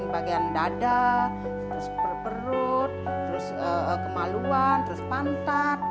bagian dada terus berperut terus kemaluan terus pantat